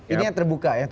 ini yang terbuka ya